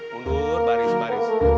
mundur baris baris